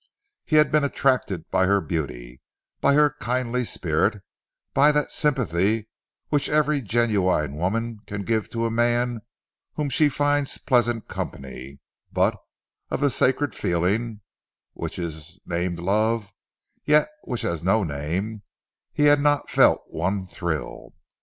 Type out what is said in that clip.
He had been attracted by her beauty, by her kindly spirit, by that sympathy which every genuine woman can give to a man whom she finds pleasant company; but of the sacred feeling, which is named love, yet which has no name, he had not felt one thrill.